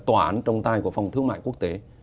tòa án trọng tài của phòng thương mại quốc tế